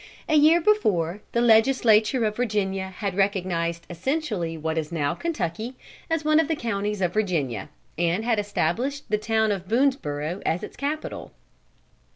A year before, the Legislature of Virginia had recognized essentially what is now Kentucky as one of the counties of Virginia, and had established the town of Boonesborough as its capital.